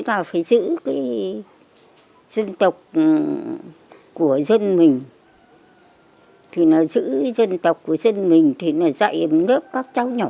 nào phải giữ cái dân tộc của dân mình thì nó giữ dân tộc của dân mình thì nó dạy lớp các cháu nhỏ